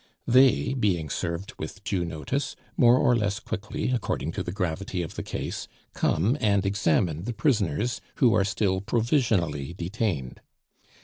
They, being served with due notice, more or less quickly, according to the gravity of the case, come and examine the prisoners who are still provisionally detained.